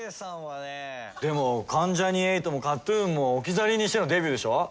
でも関ジャニ∞もＫＡＴ−ＴＵＮも置き去りにしてのデビューでしょ。